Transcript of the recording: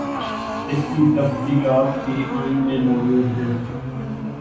اس کی تفصیلات بھی آئین میں موجود ہیں۔